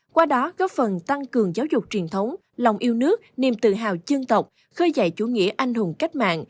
qua đó góp phần tăng cường giáo dục truyền thống lòng yêu nước niềm tự hào dân tộc khơi dậy chủ nghĩa anh hùng cách mạng